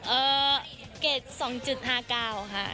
เอ่อเกรด๒๕๙ค่ะ